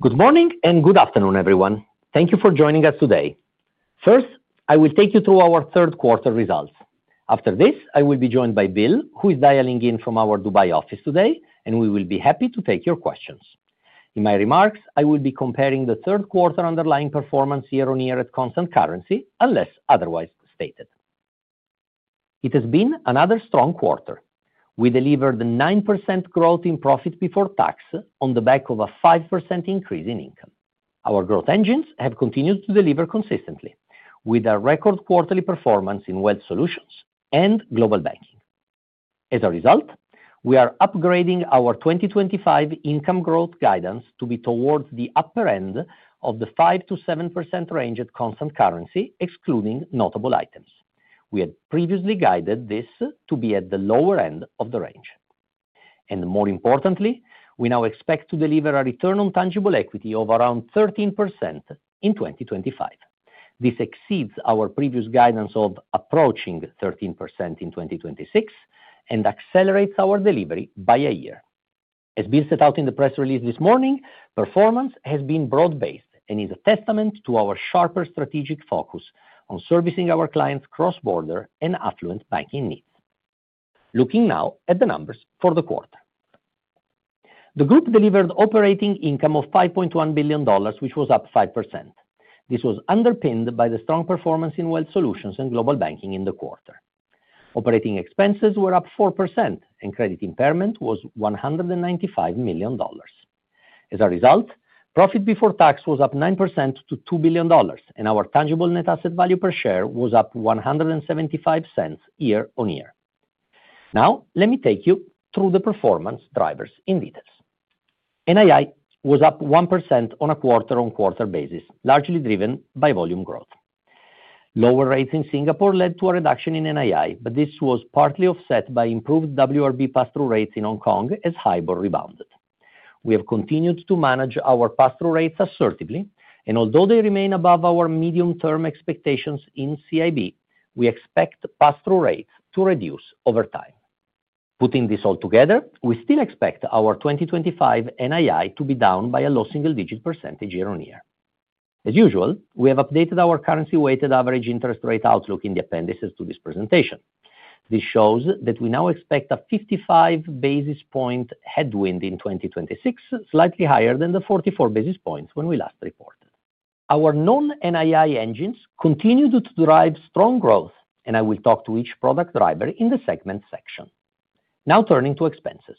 Good morning and good afternoon, everyone. Thank you for joining us today. First, I will take you through our third quarter results. After this, I will be joined by Bill, who is dialing in from our Dubai office today, and we will be happy to take your questions. In my remarks, I will be comparing the third quarter underlying performance year-on-year at constant currency, unless otherwise stated. It has been another strong quarter. We delivered a 9% growth in profit before tax on the back of a 5% increase in income. Our growth engines have continued to deliver consistently, with a record quarterly performance in Wealth Solutions and Global Banking. As a result, we are upgrading our 2025 income growth guidance to be towards the upper end of the 5%-7% range at constant currency, excluding notable items. We had previously guided this to be at the lower end of the range. More importantly, we now expect to deliver a return on tangible equity of around 13% in 2025. This exceeds our previous guidance of approaching 13% in 2026 and accelerates our delivery by a year. As Bill set out in the press release this morning, performance has been broad-based and is a testament to our sharper strategic focus on servicing our clients' cross-border and affluent banking needs. Looking now at the numbers for the quarter, the group delivered operating income of $5.1 billion, which was up 5%. This was underpinned by the strong performance in Wealth Solutions and Global Banking in the quarter. Operating expenses were up 4%, and credit impairment was $195 million. As a result, profit before tax was up 9% to $2 billion, and our tangible net asset value per share was up $0.175 year-on-year. Now, let me take you through the performance drivers in detail. NII was up 1% on a quarter-on-quarter basis, largely driven by volume growth. Lower rates in Singapore led to a reduction in NII, but this was partly offset by improved WRB pass-through rates in Hong Kong as HIBOR rebounded. We have continued to manage our pass-through rates assertively, and although they remain above our medium-term expectations in CIB, we expect pass-through rates to reduce over time. Putting this all together, we still expect our 2025 NII to be down by a low single-digit percentage year-on-year. As usual, we have updated our currency-weighted average interest rate outlook in the appendices to this presentation. This shows that we now expect a 55 basis point headwind in 2026, slightly higher than the 44 basis points when we last reported. Our non-NII engines continue to drive strong growth, and I will talk to each product driver in the segment section. Now turning to expenses,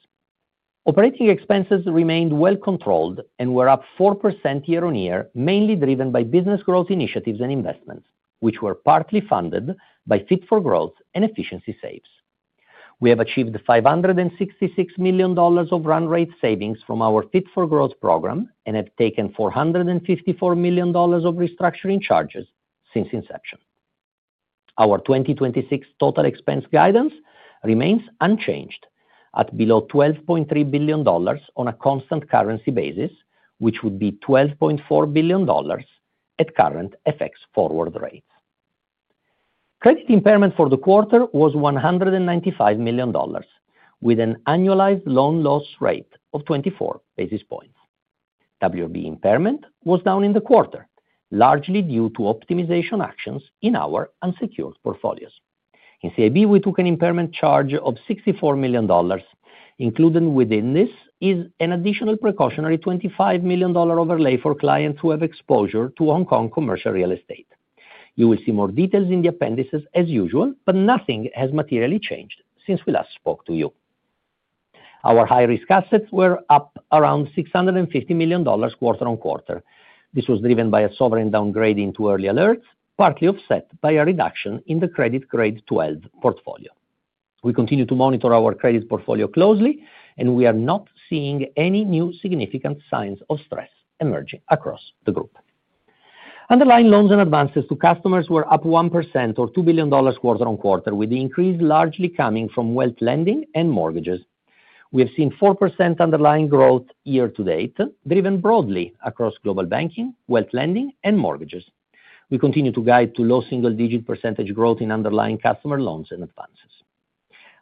operating expenses remained well controlled and were up 4% year-on-year, mainly driven by business growth initiatives and investments, which were partly funded by Fit for Growth and efficiency saves. We have achieved $566 million of run-rate savings from our Fit for Growth program and have taken $454 million of restructuring charges since inception. Our 2026 total expense guidance remains unchanged at below $12.3 billion on a constant currency basis, which would be $12.4 billion at current FX forward rates. Credit impairment for the quarter was $195 million, with an annualized loan loss rate of 24 basis points. WRB impairment was down in the quarter, largely due to optimization actions in our unsecured portfolios. In CIB, we took an impairment charge of $64 million. Included within this is an additional precautionary $25 million overlay for clients who have exposure to Hong Kong commercial real estate. You will see more details in the appendices as usual, but nothing has materially changed since we last spoke to you. Our high-risk assets were up around $650 million quarter-on-quarter. This was driven by a sovereign downgrade into early alerts, partly offset by a reduction in the credit grade 12 portfolio. We continue to monitor our credit portfolio closely, and we are not seeing any new significant signs of stress emerging across the group. Underlying loans and advances to customers were up 1% or $2 billion quarter-on-quarter, with the increase largely coming from wealth lending and mortgages. We have seen 4% underlying growth year to date, driven broadly across Global Banking, wealth lending, and mortgages. We continue to guide to low single-digit percentage growth in underlying customer loans and advances.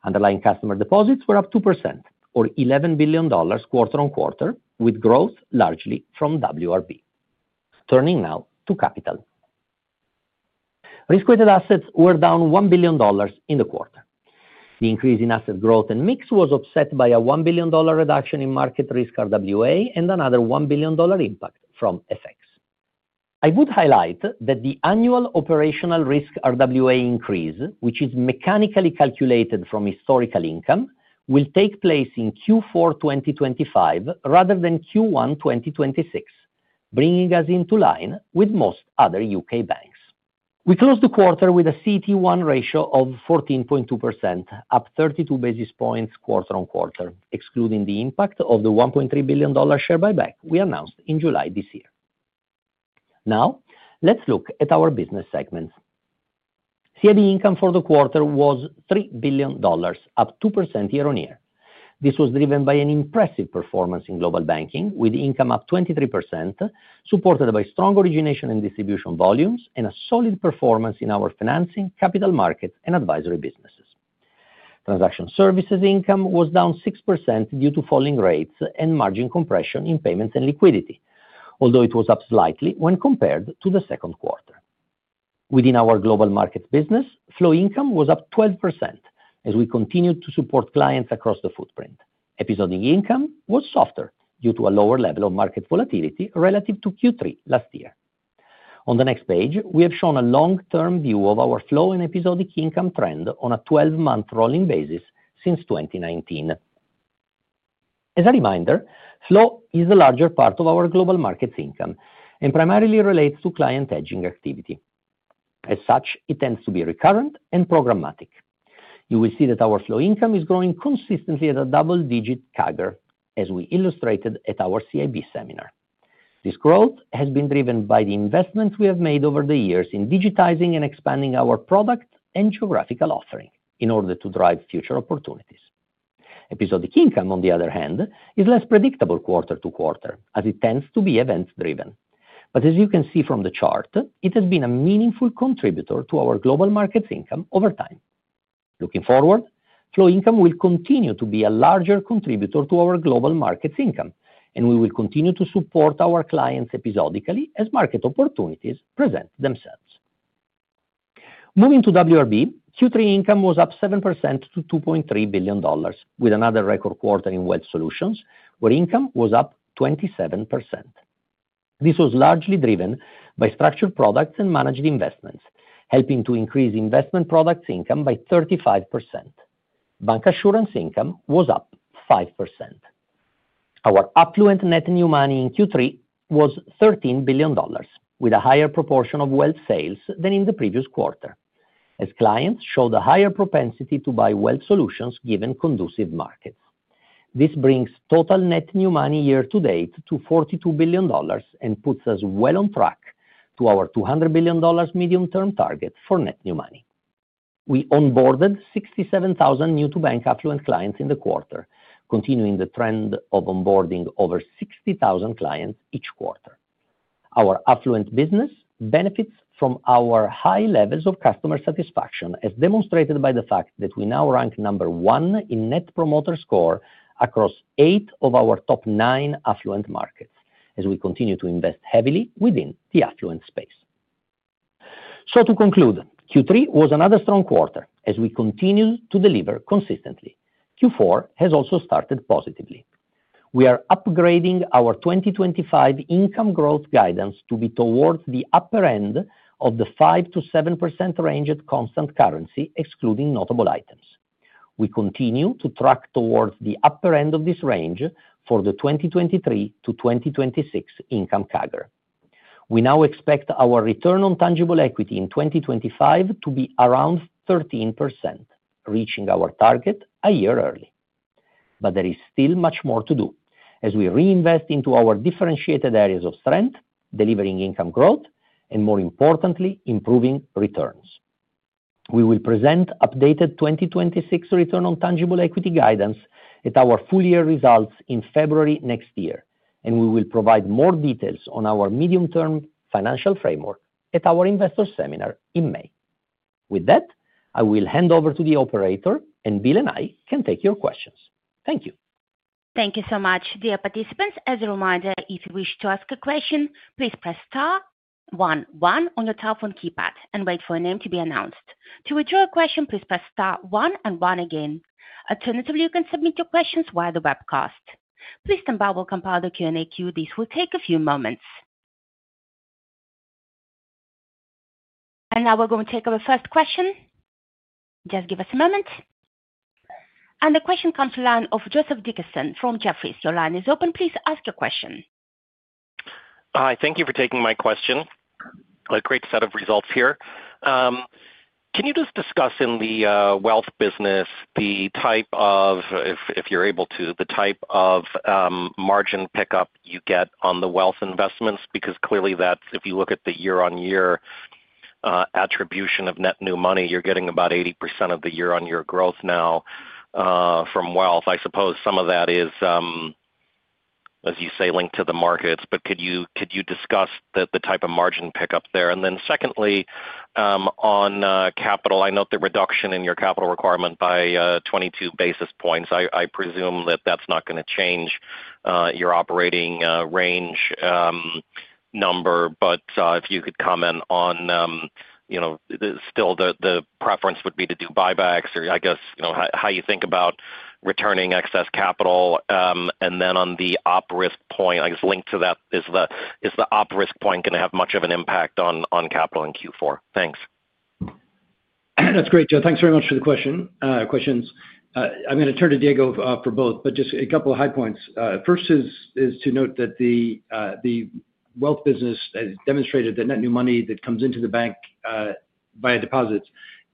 Underlying customer deposits were up 2% or $11 billion quarter on quarter, with growth largely from WRB. Turning now to capital. Risk-weighted assets were down $1 billion in the quarter. The increase in asset growth and mix was offset by a $1 billion reduction in market risk RWA and another $1 billion impact from FX. I would highlight that the annual operational risk RWA increase, which is mechanically calculated from historical income, will take place in Q4 2025 rather than Q1 2026, bringing us into line with most other U.K. banks. We closed the quarter with a CET1 ratio of 14.2%, up 32 basis points quarter on quarter, excluding the impact of the $1.3 billion share buyback we announced in July this year. Now, let's look at our business segments. CIB income for the quarter was $3 billion, up 2% year-on-year. This was driven by an impressive performance in Global Banking, with income up 23%, supported by strong origination and distribution volumes, and a solid performance in our financing, capital market, and advisory businesses. Transaction Services income was down 6% due to falling rates and margin compression in payments and liquidity, although it was up slightly when compared to the second quarter. Within our global market business, flow income was up 12% as we continued to support clients across the footprint. Episodic income was softer due to a lower level of market volatility relative to Q3 last year. On the next page, we have shown a long-term view of our flow and episodic income trend on a 12-month rolling basis since 2019. As a reminder, flow is a larger part of our global markets income and primarily relates to client hedging activity. As such, it tends to be recurrent and programmatic. You will see that our flow income is growing consistently at a double-digit CAGR, as we illustrated at our CIB seminar. This growth has been driven by the investment we have made over the years in digitizing and expanding our product and geographical offering in order to drive future opportunities. Episodic income, on the other hand, is less predictable quarter to quarter, as it tends to be event-driven. As you can see from the chart, it has been a meaningful contributor to our global markets income over time. Looking forward, flow income will continue to be a larger contributor to our global markets income, and we will continue to support our clients episodically as market opportunities present themselves. Moving to WRB, Q3 income was up 7% to $2.3 billion, with another record quarter in Wealth Solutions, where income was up 27%. This was largely driven by Structured Products and Managed Investments, helping to increase investment products income by 35%. Bancassurance income was up 5%. Our Affluent Net New Money in Q3 was $13 billion, with a higher proportion of wealth sales than in the previous quarter, as clients showed a higher propensity to buy Wealth Solutions given conducive markets. This brings total net new money year-to-date to $42 billion and puts us well on track to our $200 billion medium-term target for net new money. We onboarded 67,000 new-to-bank affluent clients in the quarter, continuing the trend of onboarding over 60,000 clients each quarter. Our affluent business benefits from our high levels of customer satisfaction, as demonstrated by the fact that we now rank number one in Net Promoter Score across eight of our top nine affluent markets, as we continue to invest heavily within the affluent space. To conclude, Q3 was another strong quarter, as we continued to deliver consistently. Q4 has also started positively. We are upgrading our 2025 income growth guidance to be towards the upper end of the 5%-7% range at constant currency, excluding notable items. We continue to track towards the upper end of this range for the 2023 to 2026 income CAGR. We now expect our return on tangible equity in 2025 to be around 13%, reaching our target a year early. There is still much more to do as we reinvest into our differentiated areas of strength, delivering income growth, and more importantly, improving returns. We will present updated 2026 return on tangible equity guidance at our full-year results in February next year, and we will provide more details on our medium-term financial framework at our investors' seminar in May. With that, I will hand over to the operator, and Bill and I can take your questions. Thank you. Thank you so much, dear participants. As a reminder, if you wish to ask a question, please press star one one on your telephone keypad and wait for a name to be announced. To withdraw a question, please press star one and one again. Alternatively, you can submit your questions via the webcast. Please stand by. We'll compile the Q&A queue. This will take a few moments. Now we're going to take our first question. Just give us a moment. The question comes from the line of Joseph Dickerson from Jefferies. Your line is open. Please ask your question. Hi. Thank you for taking my question. A great set of results here. Can you just discuss in the wealth business the type of, if you're able to, the type of margin pickup you get on the wealth investments? Because clearly, that's if you look at the year-on-year attribution of net new money, you're getting about 80% of the year-on-year growth now from wealth. I suppose some of that is, as you say, linked to the markets. Could you discuss the type of margin pickup there? Secondly, on capital, I note the reduction in your capital requirement by 22 basis points. I presume that that's not going to change your operating range number. If you could comment on, you know, still the preference would be to do buybacks or, I guess, you know, how you think about returning excess capital. On the op risk point, I guess linked to that, is the op risk point going to have much of an impact on capital in Q4? Thanks. That's great, Joe. Thanks very much for the questions. I'm going to turn to Diego for both, but just a couple of high points. First is to note that the wealth business has demonstrated that net new money that comes into the bank via deposits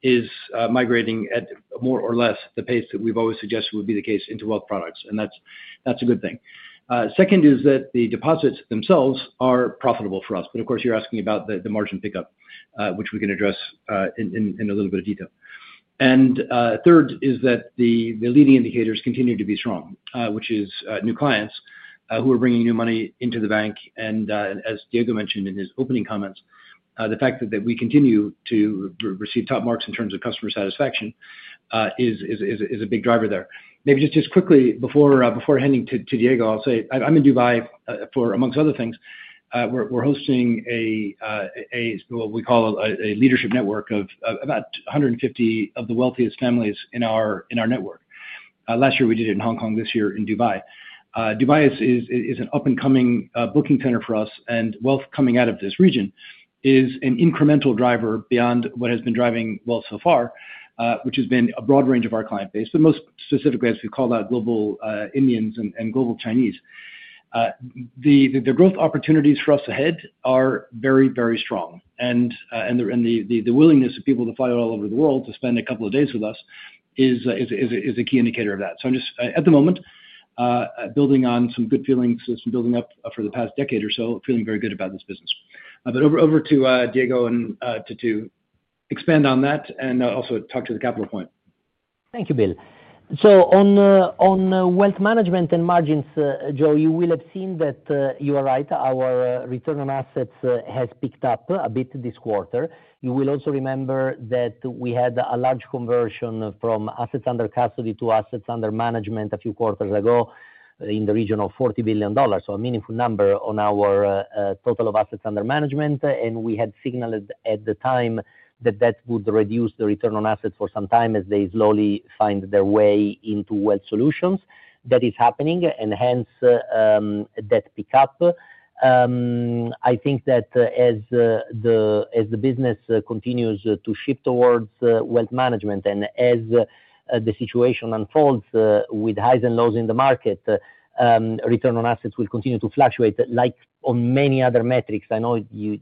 is migrating at more or less the pace that we've always suggested would be the case into wealth products, and that's a good thing. Second is that the deposits themselves are profitable for us. Of course, you're asking about the margin pickup, which we can address in a little bit of detail. Third is that the leading indicators continue to be strong, which is new clients who are bringing new money into the bank. As Diego mentioned in his opening comments, the fact that we continue to receive top marks in terms of customer satisfaction is a big driver there. Maybe just quickly before handing to Diego, I'll say I'm in Dubai for, amongst other things, we're hosting what we call a leadership network of about 150 of the wealthiest families in our network. Last year, we did it in Hong Kong. This year, in Dubai. Dubai is an up-and-coming booking center for us, and wealth coming out of this region is an incremental driver beyond what has been driving wealth so far, which has been a broad range of our client base, but most specifically, as we call that, global Indians and global Chinese. The growth opportunities for us ahead are very, very strong. The willingness of people to fly all over the world to spend a couple of days with us is a key indicator of that. I'm just, at the moment, building on some good feelings that have been building up for the past decade or so, feeling very good about this business. Over to Diego to expand on that and also talk to the capital point. Thank you, Bill. On wealth management and margins, Joe, you will have seen that you are right. Our return on assets has picked up a bit this quarter. You will also remember that we had a large conversion from assets under custody to assets under management a few quarters ago in the region of $40 billion, so a meaningful number on our total of assets under management. We had signaled at the time that that would reduce the return on assets for some time as they slowly find their way into Wealth Solutions. That is happening, hence that pickup. I think that as the business continues to shift towards wealth management and as the situation unfolds with highs and lows in the market, return on assets will continue to fluctuate, like on many other metrics. I know you,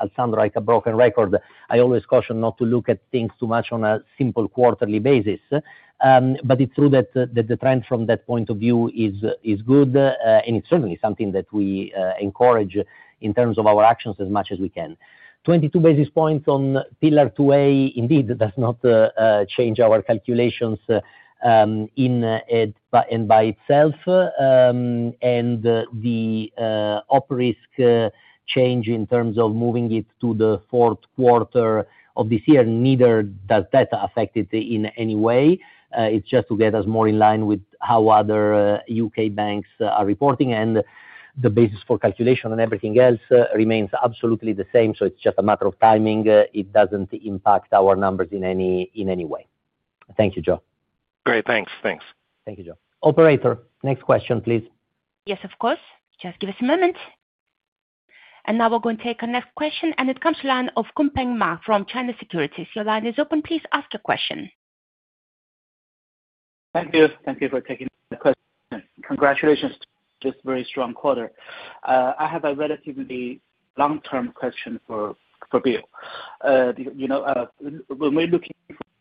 Alessandro, like a broken record. I always caution not to look at things too much on a simple quarterly basis. It's true that the trend from that point of view is good. It's certainly something that we encourage in terms of our actions as much as we can. 22 basis points on Pillar 2A, indeed, does not change our calculations by itself. The op risk change in terms of moving it to the fourth quarter of this year, neither does that affect it in any way. It's just to get us more in line with how other U.K. banks are reporting. The basis for calculation and everything else remains absolutely the same. It's just a matter of timing. It doesn't impact our numbers in any way. Thank you, Joe. Great, thanks. Thanks. Thank you, Joe. Operator, next question, please. Yes, of course. Just give us a moment. We are going to take our next question. It comes from the line of Kunpeng Ma from China Securities. Your line is open. Please ask your question. Thank you. Thank you for taking my question. Congratulations to you. Just a very strong quarter. I have a relatively long-term question for Bill. When we're looking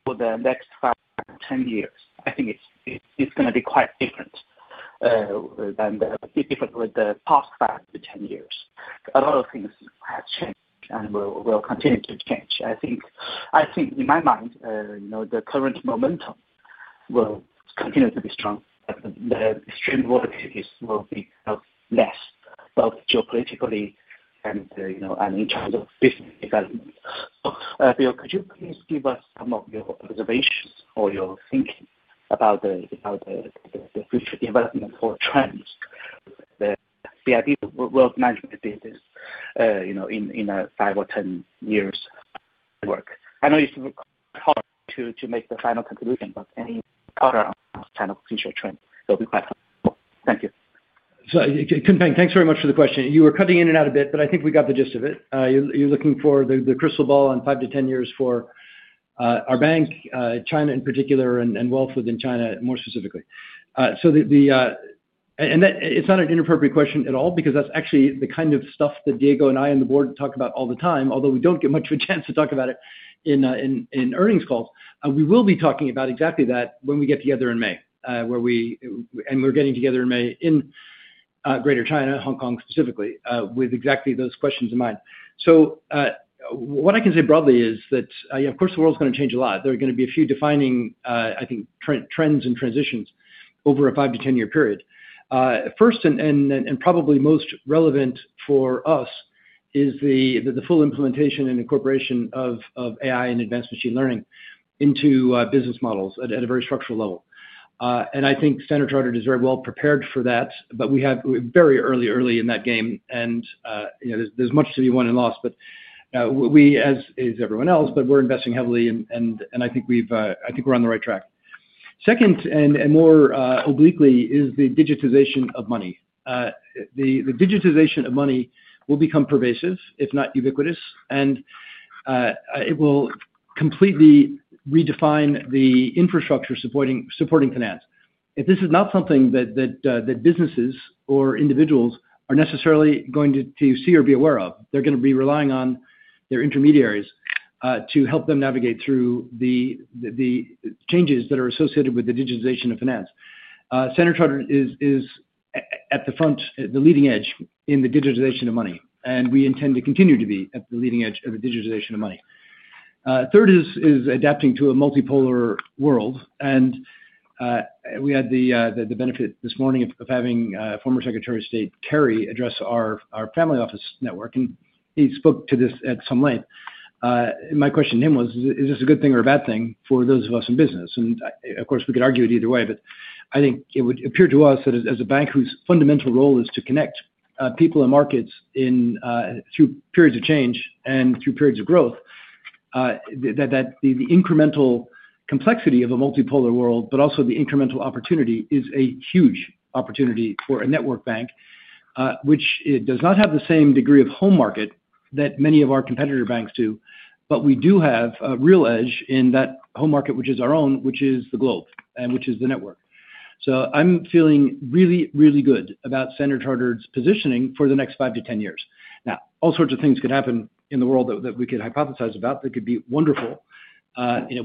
for the next five to 10 years, I think it's going to be quite different than the past five to 10 years. A lot of things have changed and will continue to change. I think, in my mind, the current momentum will continue to be strong. The extreme volatilities will be less both geopolitically and in terms of business development. Bill, could you please give us some of your observations or your thinking about the future development or trends that the idea of wealth management business in five or 10 years at work? I know it's hard to make the final conclusion, but any other kind of future trend will be quite helpful. Thank you. Kunpeng, thanks very much for the question. You were cutting in and out a bit, but I think we got the gist of it. You're looking for the crystal ball on five to 10 years for our bank, China in particular, and wealth within China more specifically. It's not an inappropriate question at all because that's actually the kind of stuff that Diego and I and the board talk about all the time, although we don't get much of a chance to talk about it in earnings calls. We will be talking about exactly that when we get together in May, and we're getting together in May in Greater China, Hong Kong specifically, with exactly those questions in mind. What I can say broadly is that, of course, the world is going to change a lot. There are going to be a few defining, I think, trends and transitions over a five to 10-year period. First and probably most relevant for us is the full implementation and incorporation of AI and advanced machine learning into business models at a very structural level. I think Standard Chartered is very well prepared for that, but we are very early in that game. There's much to be won and lost. We, as is everyone else, are investing heavily, and I think we're on the right track. Second, and more obliquely, is the digitization of money. The digitization of money will become pervasive, if not ubiquitous, and it will completely redefine the infrastructure supporting finance. This is not something that businesses or individuals are necessarily going to see or be aware of. They're going to be relying on their intermediaries to help them navigate through the changes that are associated with the digitization of finance. Standard Chartered is at the front, the leading edge in the digitization of money, and we intend to continue to be at the leading edge of the digitization of money. Third is adapting to a multipolar world. We had the benefit this morning of having former Secretary of State Kerry address our family office network, and he spoke to this at some length. My question to him was, is this a good thing or a bad thing for those of us in business? Of course, we could argue it either way, but I think it would appear to us that as a bank whose fundamental role is to connect people and markets through periods of change and through periods of growth, the incremental complexity of a multipolar world, but also the incremental opportunity, is a huge opportunity for a network bank, which does not have the same degree of home market that many of our competitor banks do. We do have a real edge in that home market, which is our own, which is the globe, and which is the network. I'm feeling really, really good about Standard Chartered's positioning for the next five to 10 years. All sorts of things could happen in the world that we could hypothesize about that could be wonderful.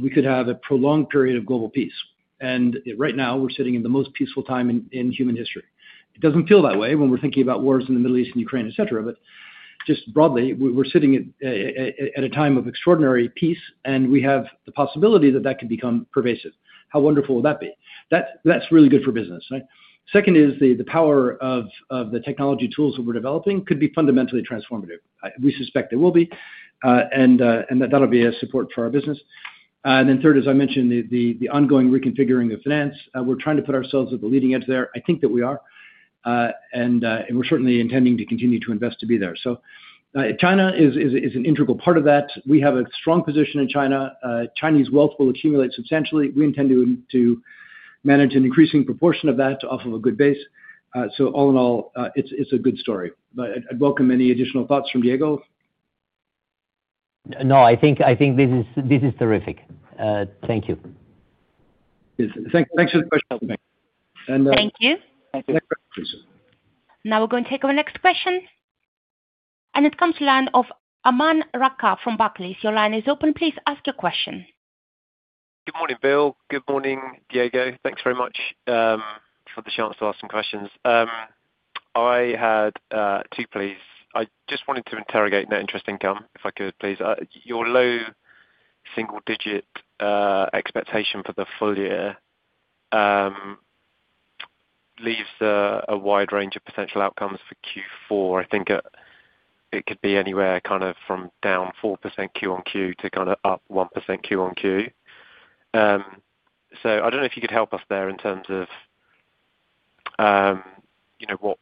We could have a prolonged period of global peace. Right now, we're sitting in the most peaceful time in human history. It doesn't feel that way when we're thinking about wars in the Middle East and Ukraine, et cetera. Just broadly, we're sitting at a time of extraordinary peace, and we have the possibility that that could become pervasive. How wonderful would that be? That's really good for business. The power of the technology tools that we're developing could be fundamentally transformative. We suspect they will be, and that will be a support for our business. Then, as I mentioned, the ongoing reconfiguring of finance. We're trying to put ourselves at the leading edge there. I think that we are, and we're certainly intending to continue to invest to be there. China is an integral part of that. We have a strong position in China. Chinese wealth will accumulate substantially. We intend to manage an increasing proportion of that off of a good base. All in all, it's a good story. I'd welcome any additional thoughts from Diego. No, I think this is terrific. Thank you. Thanks for the question, Kunpeng. Thank you. Now we're going to take our next question. It comes from the line of Aman Rakkar from Barclays. Your line is open. Please ask your question. Good morning, Bill. Good morning, Diego. Thanks very much for the chance to ask some questions. I had two, please. I just wanted to interrogate net interest income, if I could, please. Your low single-digit expectation for the full year leaves a wide range of potential outcomes for Q4. I think it could be anywhere kind of from down 4% Q1Q to kind of up 1% Q1Q. I don't know if you could help us there in terms of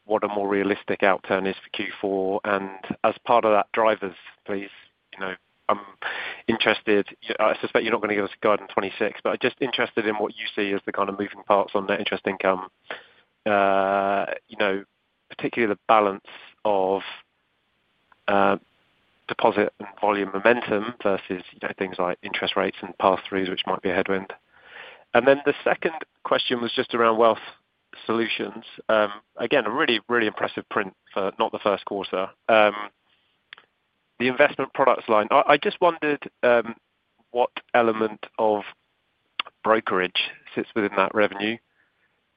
what a more realistic outcome is for Q4. As part of that drivers, please, you know I'm interested. I suspect you're not going to give us Garden 26, but I'm just interested in what you see as the kind of moving parts on net interest income, particularly the balance of deposit and volume momentum versus things like interest rates and pass-throughs, which might be a headwind. The second question was just around Wealth Solutions. Again, a really, really impressive print for not the first quarter. The investment products line, I just wondered what element of brokerage sits within that revenue.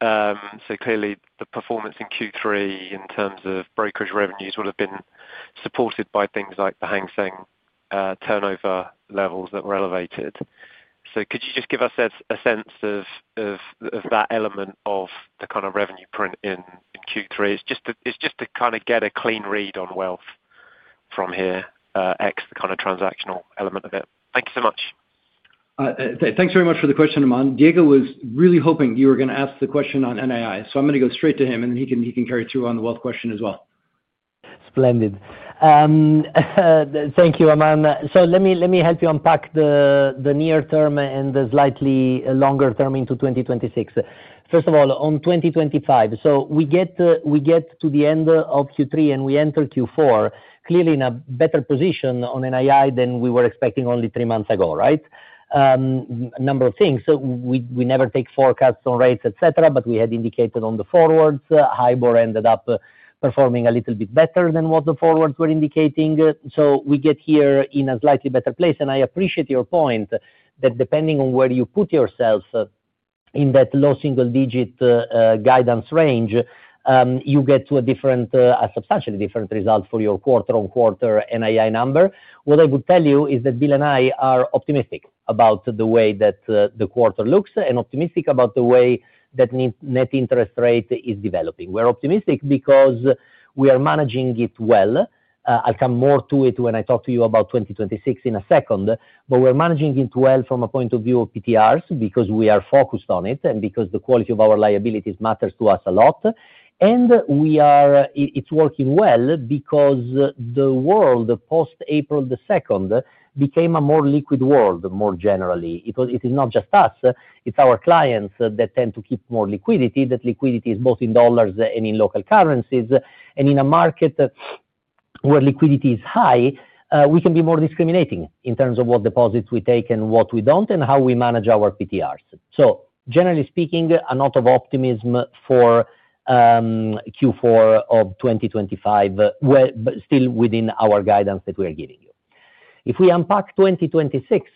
Clearly, the performance in Q3 in terms of brokerage revenues would have been supported by things like the Hang Seng turnover levels that were elevated. Could you just give us a sense of that element of the kind of revenue print in Q3? It's just to kind of get a clean read on wealth from here, ex the kind of transactional element of it. Thank you so much. Thanks very much for the question, Aman. Diego was really hoping you were going to ask the question on NII. I'm going to go straight to him, and then he can carry through on the wealth question as well. Splendid. Thank you, Aman. Let me help you unpack the near-term and the slightly longer term into 2026. First of all, on 2025, we get to the end of Q3, and we enter Q4 clearly in a better position on NII than we were expecting only three months ago, right? A number of things. We never take forecasts on rates, et cetera, but we had indicated on the forwards, HIBOR ended up performing a little bit better than what the forwards were indicating. We get here in a slightly better place. I appreciate your point that depending on where you put yourself in that low single-digit guidance range, you get to a substantially different result for your quarter-on-quarter NII number. What I would tell you is that Bill and I are optimistic about the way that the quarter looks and optimistic about the way that net interest rate is developing. We're optimistic because we are managing it well. I'll come more to it when I talk to you about 2026 in a second. We're managing it well from a point of view of PTRs because we are focused on it and because the quality of our liabilities matters to us a lot. It's working well because the world post-April 2nd became a more liquid world more generally. It is not just us. It's our clients that tend to keep more liquidity, that liquidity is both in dollars and in local currencies. In a market where liquidity is high, we can be more discriminating in terms of what deposits we take and what we don't and how we manage our PTRs. Generally speaking, a lot of optimism for Q4 of 2025, but still within our guidance that we are giving you. If we unpack 2026,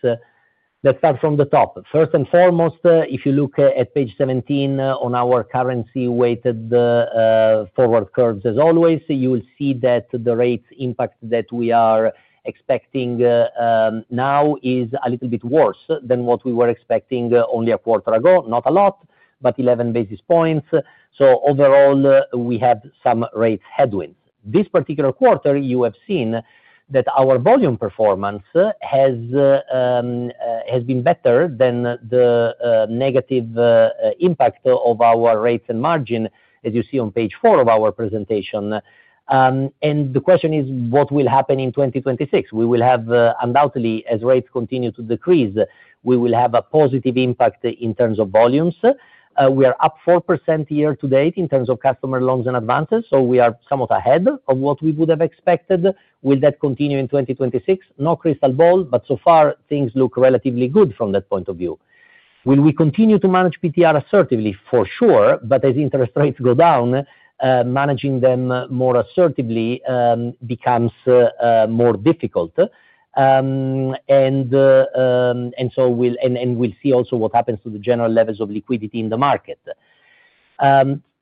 let's start from the top. First and foremost, if you look at page 17 on our currency-weighted forward curves, as always, you will see that the rates impact that we are expecting now is a little bit worse than what we were expecting only a quarter ago. Not a lot, but 11 basis points. Overall, we have some rates headwinds. This particular quarter, you have seen that our volume performance has been better than the negative impact of our rates and margin, as you see on page four of our presentation. The question is, what will happen in 2026? We will have undoubtedly, as rates continue to decrease, a positive impact in terms of volumes. We are up 4% year-to-date in terms of customer loans and advances. We are somewhat ahead of what we would have expected. Will that continue in 2026? No crystal ball, but so far, things look relatively good from that point of view. Will we continue to manage PTR assertively? For sure. As interest rates go down, managing them more assertively becomes more difficult. We'll see also what happens to the general levels of liquidity in the market.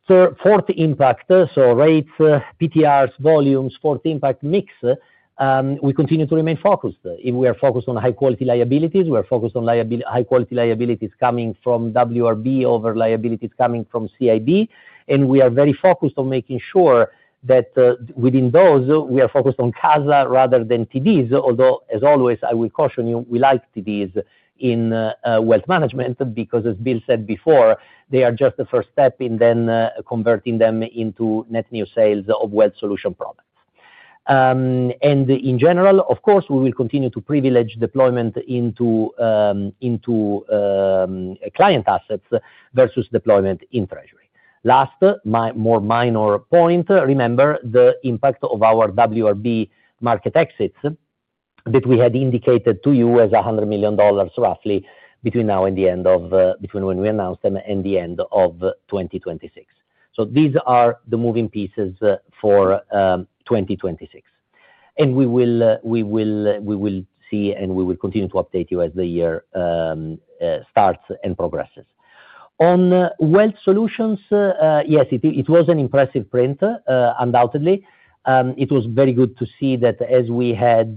Fourth impact, so rates, PTRs, volumes, fourth impact mix, we continue to remain focused. We are focused on high-quality liabilities. We are focused on high-quality liabilities coming from WRB over liabilities coming from CIB. We are very focused on making sure that within those, we are focused on CASA rather than TDs. Although, as always, I will caution you, we like TDs in wealth management because, as Bill said before, they are just the first step in then converting them into net new sales of wealth solution products. In general, of course, we will continue to privilege deployment into client assets versus deployment in treasury. Last, my more minor point, remember the impact of our WRB market exits that we had indicated to you as $100 million roughly between now and the end of between when we announced them and the end of 2026. These are the moving pieces for 2026. We will see, and we will continue to update you as the year starts and progresses. On Wealth Solutions, yes, it was an impressive print, undoubtedly. It was very good to see that as we had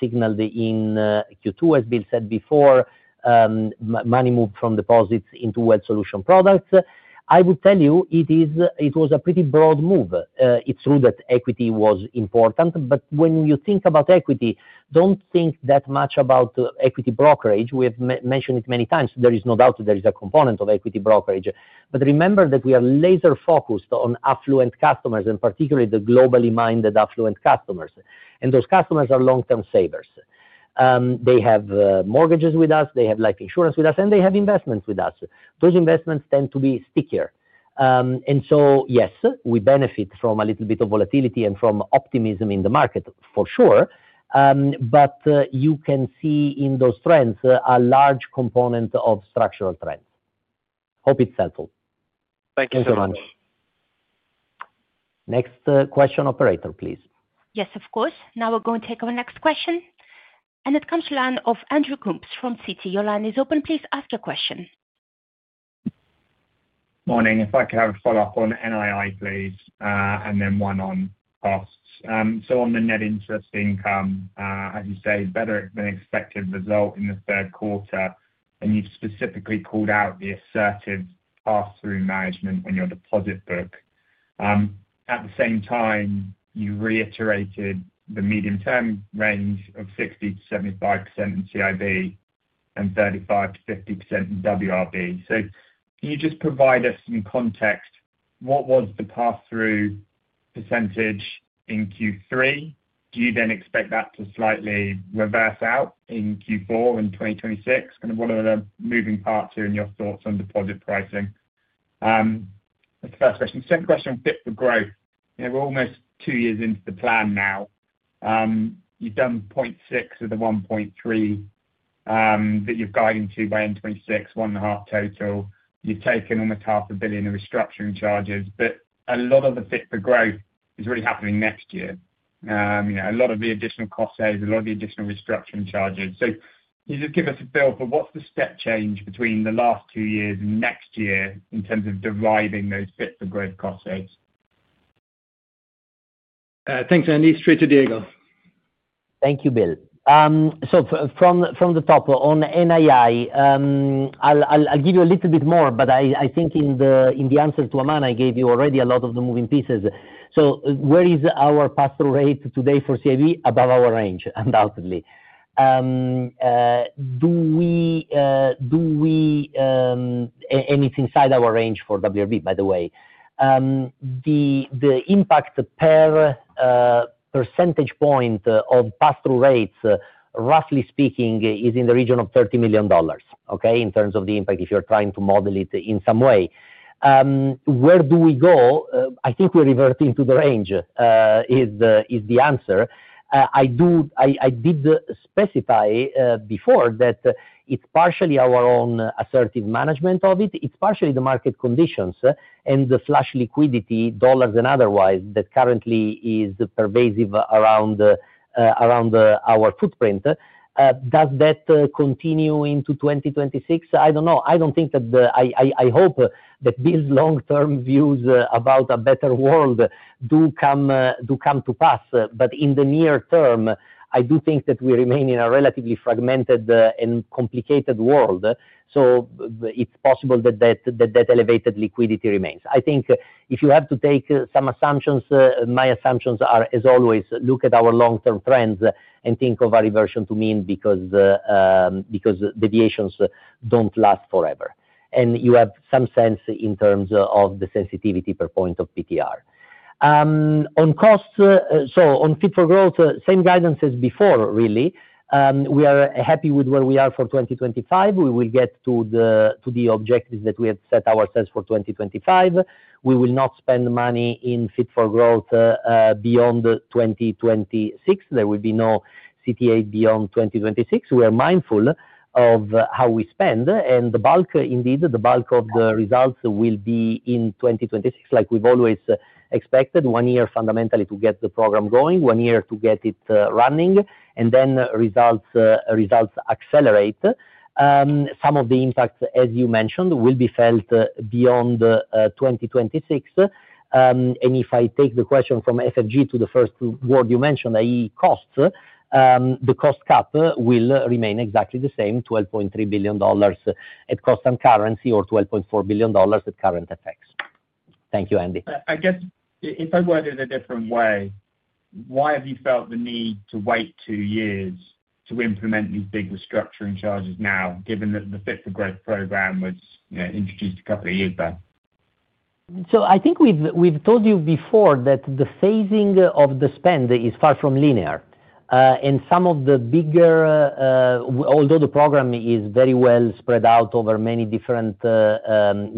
signaled in Q2, as Bill said before, money moved from deposits into wealth solution products. I would tell you it was a pretty broad move. It's true that equity was important. When you think about equity, don't think that much about equity brokerage. We have mentioned it many times. There is no doubt that there is a component of equity brokerage. Remember that we are laser-focused on affluent customers and particularly the globally minded affluent customers. Those customers are long-term savers. They have mortgages with us. They have life insurance with us. They have investments with us. Those investments tend to be stickier. Yes, we benefit from a little bit of volatility and from optimism in the market for sure. You can see in those trends a large component of structural trends. Hope it's helpful. Thank you so much. Next question, operator, please. Yes, of course. Now we're going to take our next question. It comes from the line of Andrew Coombs from Citi. Your line is open. Please ask your question. Morning. If I could have a follow-up on NII, please, and then one on costs. On the net interest income, as you say, better than expected result in the third quarter, and you've specifically called out the assertive pass-through management on your deposit book. At the same time, you reiterated the medium-term range of 60%-75% in CIB and 35%-50% in WRB. Can you just provide us some context? What was the pass-through percentage in Q3? Do you then expect that to slightly reverse out in Q4 in 2026? What are the moving parts here and your thoughts on deposit pricing? That's the first question. The second question on Fit for Growth. We're almost two years into the plan now. You've done $0.6 billion of the $1.3 billion that you're guiding to by 2026, $1.5 billion total. You've taken almost $0.5 billion in restructuring charges. A lot of the Fit for Growth is really happening next year, a lot of the additional cost saves, a lot of the additional restructuring charges. Can you just give us a feel for what's the step change between the last two years and next year in terms of deriving those Fit for Growth cost saves? Thanks, Andy. Straight to Diego. Thank you, Bill. From the top, on NII, I'll give you a little bit more, but I think in the answer to Aman, I gave you already a lot of the moving pieces. Where is our pass-through rate today for CIB? Above our range, undoubtedly. It's inside our range for WRB, by the way. The impact per percentage point of pass-through rates, roughly speaking, is in the region of $30 million, in terms of the impact if you're trying to model it in some way. Where do we go? I think we revert into the range is the answer. I did specify before that it's partially our own assertive management of it. It's partially the market conditions and the flash liquidity, dollars and otherwise, that currently is pervasive around our footprint. Does that continue into 2026? I don't know. I hope that these long-term views about a better world do come to pass. In the near term, I do think that we remain in a relatively fragmented and complicated world. It's possible that that elevated liquidity remains. If you have to take some assumptions, my assumptions are, as always, look at our long-term trends and think of a reversion to mean because deviations don't last forever. You have some sense in terms of the sensitivity per point of PTR. On costs, on Fit for Growth, same guidance as before, really. We are happy with where we are for 2025. We will get to the objectives that we have set ourselves for 2025. We will not spend money in Fit for Growth beyond 2026. There will be no CTA beyond 2026. We are mindful of how we spend. The bulk, indeed, the bulk of the results will be in 2026, like we've always expected. One year, fundamentally, to get the program going, one year to get it running, and then results accelerate. Some of the impacts, as you mentioned, will be felt beyond 2026. If I take the question from FFG to the first word you mentioned, i.e., costs, the cost cap will remain exactly the same, $12.3 billion at costs and currency, or $12.4 billion at current FX. Thank you, Andy. I guess if I word it a different way, why have you felt the need to wait two years to implement these big restructuring charges now, given that the Fit for Growth program was introduced a couple of years ago? I think we've told you before that the phasing of the spend is far from linear. Some of the bigger, although the program is very well spread out over many different subprograms,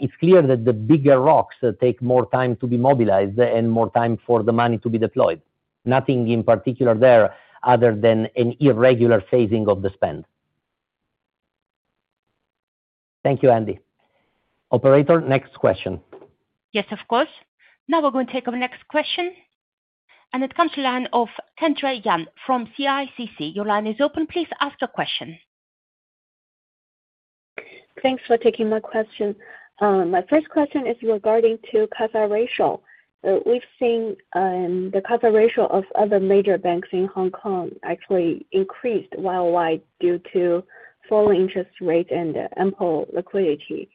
it's clear that the bigger rocks take more time to be mobilized and more time for the money to be deployed. Nothing in particular there other than an irregular phasing of the spend. Thank you, Andy. Operator, next question. Yes, of course. Now we're going to take our next question. It comes from the line of Kendra Yan from CICC. Your line is open. Please ask your question. Thanks for taking my question. My first question is regarding to CASA ratio. We've seen the CASA ratio of other major banks in Hong Kong actually increase worldwide due to falling interest rates and ample liquidity.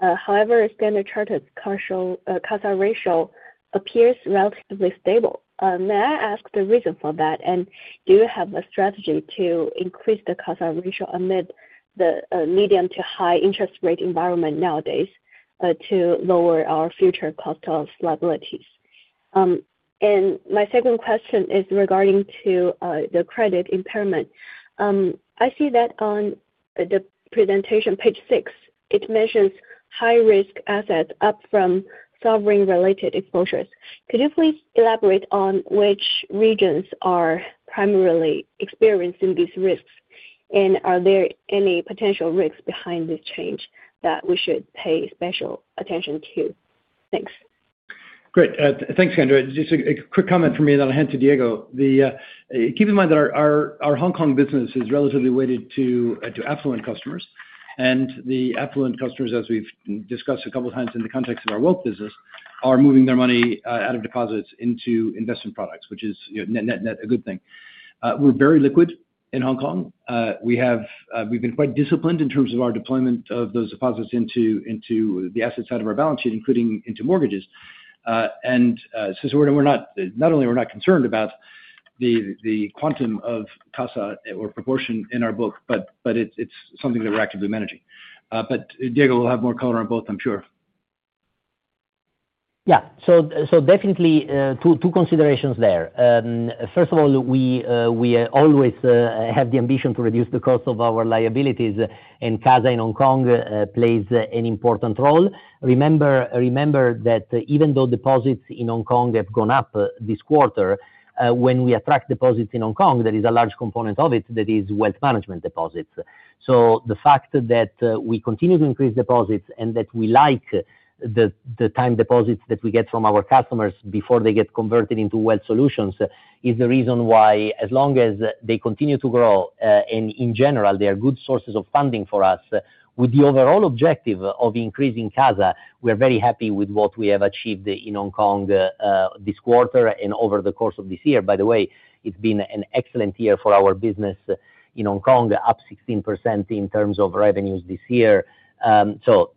However, Standard Chartered's CASA ratio appears relatively stable. May I ask the reason for that? Do you have a strategy to increase the CASA ratio amid the medium to high interest rate environment nowadays to lower our future cost of liabilities? My second question is regarding the credit impairment. I see that on the presentation page six, it mentions high-risk assets up from sovereign-related exposures. Could you please elaborate on which regions are primarily experiencing these risks? Are there any potential risks behind this change that we should pay special attention to? Thanks. Great. Thanks, Kendra. Just a quick comment from me that I'll hand to Diego. Keep in mind that our Hong Kong business is relatively weighted to affluent customers. The affluent customers, as we've discussed a couple of times in the context of our wealth business, are moving their money out of deposits into investment products, which is net net a good thing. We're very liquid in Hong Kong. We've been quite disciplined in terms of our deployment of those deposits into the asset side of our balance sheet, including into mortgages. Not only are we not concerned about the quantum of CASA or proportion in our book, it's something that we're actively managing. Diego will have more color on both, I'm sure. Yeah. Definitely two considerations there. First of all, we always have the ambition to reduce the cost of our liabilities. CASA in Hong Kong plays an important role. Remember that even though deposits in Hong Kong have gone up this quarter, when we attract deposits in Hong Kong, there is a large component of it that is wealth management deposits. The fact that we continue to increase deposits and that we like the time deposits that we get from our customers before they get converted into Wealth Solutions is the reason why, as long as they continue to grow and in general, they are good sources of funding for us, with the overall objective of increasing CASA, we're very happy with what we have achieved in Hong Kong this quarter and over the course of this year. By the way, it's been an excellent year for our business in Hong Kong, up 16% in terms of revenues this year. All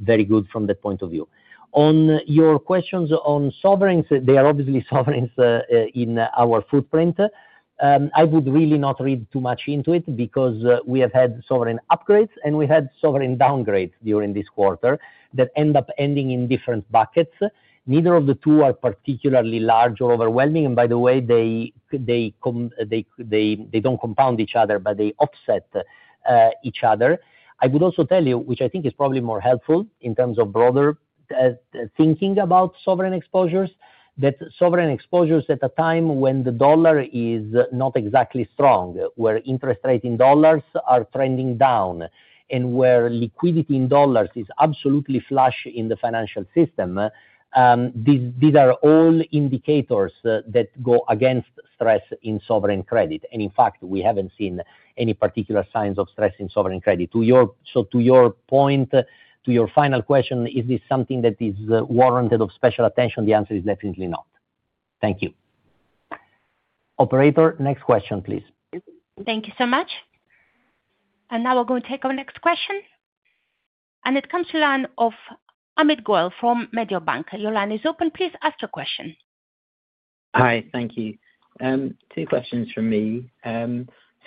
very good from that point of view. On your questions on sovereigns, there are obviously sovereigns in our footprint. I would really not read too much into it because we have had sovereign upgrades and we've had sovereign downgrades during this quarter that end up ending in different buckets. Neither of the two are particularly large or overwhelming. By the way, they don't compound each other, but they offset each other. I would also tell you, which I think is probably more helpful in terms of broader thinking about sovereign exposures, that sovereign exposures at a time when the dollar is not exactly strong, where interest rates in dollars are trending down, and where liquidity in dollars is absolutely flush in the financial system, these are all indicators that go against stress in sovereign credit. In fact, we haven't seen any particular signs of stress in sovereign credit. To your point, to your final question, is this something that is warranted of special attention? The answer is definitely not. Thank you. Operator, next question, please. Thank you so much. We're going to take our next question. It comes from the line of Amit Goel from Mediobanca. Your line is open. Please ask your question. Hi. Thank you. Two questions from me.